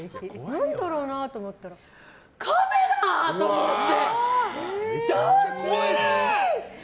何だろうなと思ったらカメラ！？と思って。